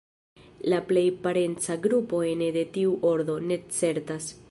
La plej parenca grupo ene de tiu ordo, ne certas.